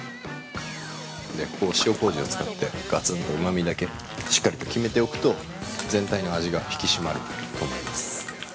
塩こうじを使って、がつんとうまみだけしっかりと決めておくと、全体の味が引き締まると思います。